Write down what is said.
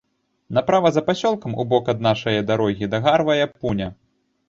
Направа за пасёлкам, убок ад нашае дарогі, дагарвае пуня.